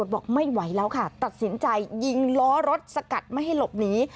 บอกไม่ไหวแล้วค่ะตัดสินใจยิงล้อรถสกัดไม่ให้หลบหนี